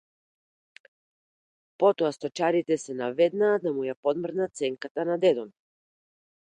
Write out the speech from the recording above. Потоа сточарите се наведнаа да му ја помрднат сенката на дедо ми.